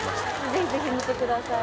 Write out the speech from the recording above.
ぜひぜひ見てください